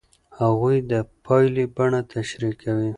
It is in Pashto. هغوی د پایلې بڼه تشریح کوي.